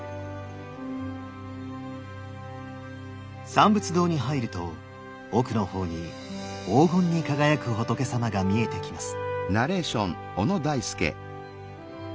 三仏堂に入ると奥の方に黄金に輝く仏さまが見えてきます。